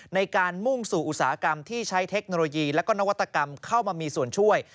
ในการมุ่งสู่อุตสาหกรรมที่ใช้เทคโนโลยีและก็นวัตกรรมเข้ามามีส่วนช่วย